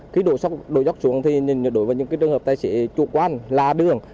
khi đổ dốc xuống đối với những trường hợp tài xế chủ quan là đường